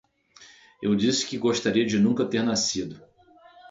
Eu disse que gostaria de nunca ter nascido.